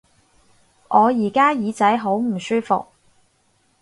我而家耳仔好唔舒服